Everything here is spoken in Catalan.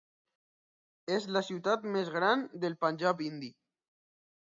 És la ciutat més gran del Panjab indi.